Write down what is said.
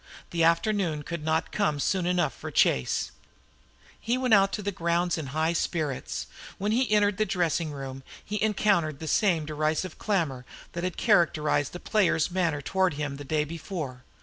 The afternoon could not come soon enough for Chase. He went out to the grounds in high spirits. When he entered the dressing room he encountered the same derisive clamor that had characterized the players' manner toward him the day before.